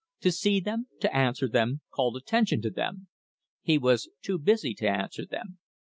To see them, to answer them, called attention to them. He was too busy to answer them.